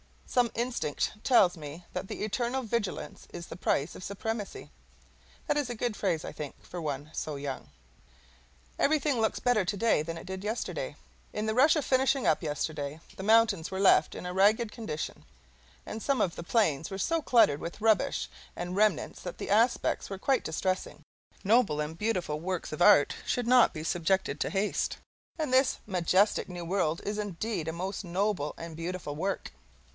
Some instinct tells me that eternal vigilance is the price of supremacy. [That is a good phrase, I think, for one so young.] Everything looks better today than it did yesterday. In the rush of finishing up yesterday, the mountains were left in a ragged condition, and some of the plains were so cluttered with rubbish and remnants that the aspects were quite distressing. Noble and beautiful works of art should not be subjected to haste; and this majestic new world is indeed a most noble and beautiful work.